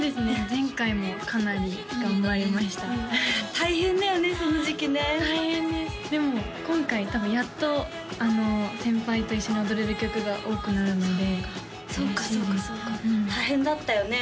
前回もかなり頑張りました大変だよねその時期ね大変ですでも今回多分やっと先輩と一緒に踊れる曲が多くなるのでそうかそうかそうか嬉しいです大変だったよね